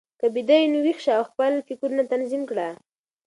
که بیده یې، نو ویښ شه او خپل فکرونه تنظیم کړه.